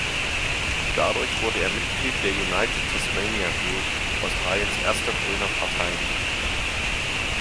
Dadurch wurde er Mitglied der United Tasmania Group, Australiens erster grüner Partei.